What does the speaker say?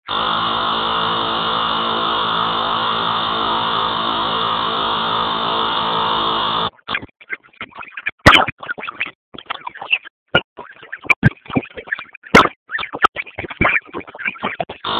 Zozketak multzo bakoitzean zein talde lehiatuko diren erabakiko du.